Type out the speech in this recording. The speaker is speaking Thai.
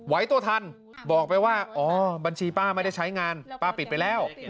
ไว้ตัวทันบอกไปว่าอ๋อบัญชีป้าไม่ได้ใช้งานป้าปิดไปแล้ว